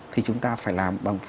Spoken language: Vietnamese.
thì chúng ta phải làm